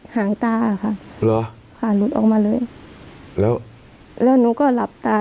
หางตาค่ะเหรอค่ะหลุดออกมาเลยแล้วแล้วหนูก็หลับตา